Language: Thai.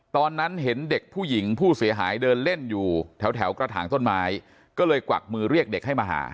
ตอนนั้นเห็นเด็กผู้หญิงผู้เสียหายเดินเล่นอยู่แถวกระถางต้นไม้ก็เลยกวักมือเรียกเด็กให้มาหา